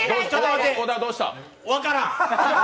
分からん。